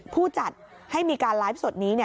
ผู้จัดให้มีการไลฟ์สดนี้